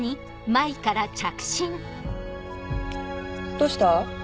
どうした？